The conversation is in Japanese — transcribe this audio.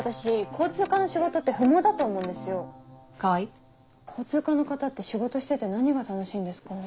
交通課の方って仕事してて何が楽しいんですかね。